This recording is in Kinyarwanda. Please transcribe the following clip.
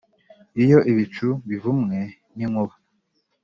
iyo ibicu bivumwe n'inkuba,